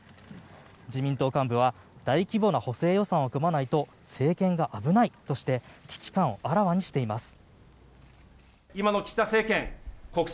自民党幹部は大規模な補正予算を組まないと政権が危ないとして危機感をあらわにしています。